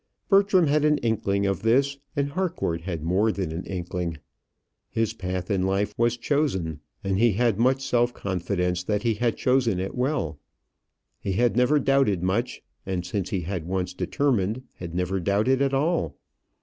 Bertram had an inkling of this; and Harcourt had more than an inkling. His path in life was chosen, and he had much self confidence that he had chosen it well. He had never doubted much, and since he had once determined had never doubted at all.